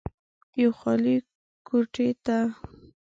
يوې خالې کوټې ته